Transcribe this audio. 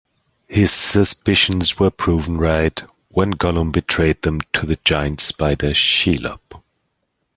His suspicions were proven right when Gollum betrayed them to the giant spider Shelob.